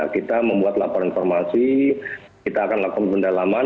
kita membuat laporan informasi kita akan lakukan pendalaman